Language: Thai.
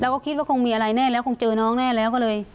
ก็คิดว่าคงมีอะไรแน่แล้วคงเจอน้องแน่แล้วก็เลย